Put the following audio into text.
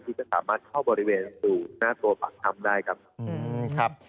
ที่จะสามารถเข้าบริเวณสู่หน้าตัวปากถ้ำได้ครับ